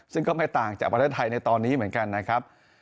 ซึ่งก็ไม่ต่างจากประเทศไทยในตอนนี้เหมือนกันนะครับ